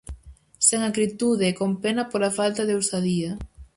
Sen acritude e con pena pola falta de ousadía.